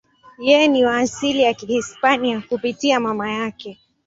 Yeye ni wa asili ya Kihispania kupitia mama yake.